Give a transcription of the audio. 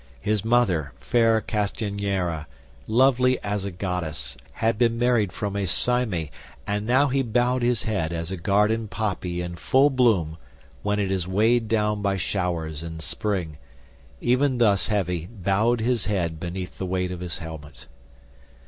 His mother, fair Castianeira, lovely as a goddess, had been married from Aesyme, and now he bowed his head as a garden poppy in full bloom when it is weighed down by showers in spring—even thus heavy bowed his head beneath the weight of his helmet.